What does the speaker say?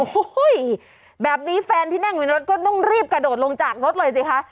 โอ้โหแบบนี้แฟนที่นั่งอยู่ในรถก็ต้องรีบกระโดดลงจากรถเลยสิคะ